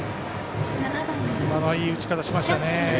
今のはいい打ち方しましたね。